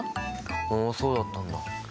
ああそうだったんだ。